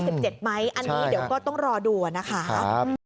อันนี้เดี๋ยวก็ต้องรอดูนะคะ